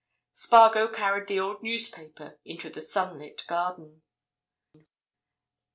Spargo carried the old newspaper into the sunlit garden.